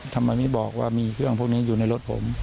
ทำไมไม่บอกว่ามีเครื่องพวกนี้อยู่ในรถผม